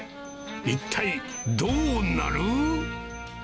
一体、どうなる？